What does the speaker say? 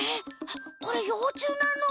はっこれ幼虫なの？